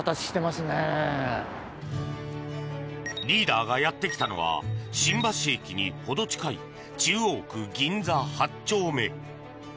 リーダーがやってきたのは新橋駅に程近い中央区銀座８丁目。